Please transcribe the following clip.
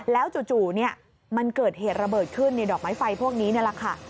แล้วจู่มันเกิดเหตุระเบิดขึ้นในดอกไม้ไฟพวกนี้นี่แหละค่ะ